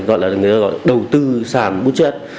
gọi là người ta gọi là đầu tư sàn budget